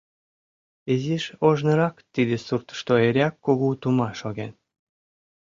Изиш ожнырак тиде суртышто эреак кугу тума шоген.